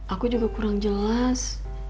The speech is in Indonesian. aku juga kurang jelas